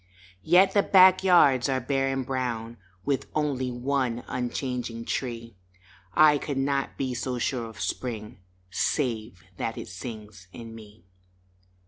Yet the back yards are bare and brown With only one unchanging tree I could not be so sure of Spring Save that it sings in me.